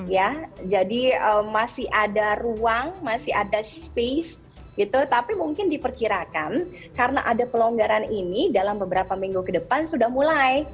ya jadi masih ada ruang masih ada space gitu tapi mungkin diperkirakan karena ada pelonggaran ini dalam beberapa minggu ke depan sudah mulai